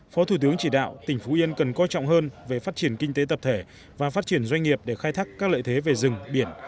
phó thủ tướng chỉ đạo tỉnh phú yên cần coi trọng hơn về phát triển kinh tế tập thể và phát triển doanh nghiệp để khai thác các lợi thế về rừng biển